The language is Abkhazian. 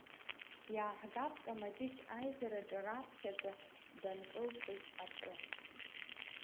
Иааҳгап Камаҷыҷ аизараҿы раԥхьаӡа данкылсыз атәы…